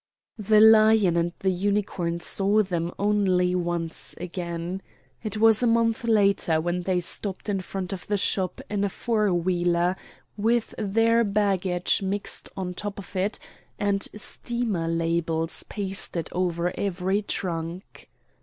The Lion and the Unicorn saw them only once again. It was a month later when they stopped in front of the shop in a four wheeler, with their baggage mixed on top of it, and steamer labels pasted over every trunk.